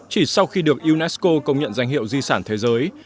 chỉ sau khi được unesco công nhận danh hiệu di sản thế giới